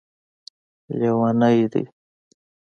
لیوني دی